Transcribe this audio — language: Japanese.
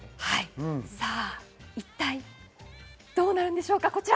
一体どうなるんでしょうか、こちら。